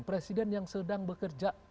presiden yang sedang bekerja